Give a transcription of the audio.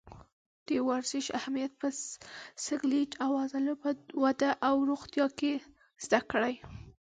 د ورزش اهمیت په سکلیټ او عضلو په وده او روغتیا کې زده کړئ.